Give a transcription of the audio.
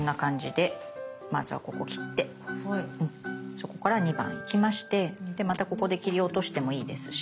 そこから２番行きましてでまたここで切り落としてもいいですし。